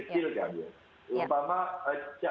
kecil kan ya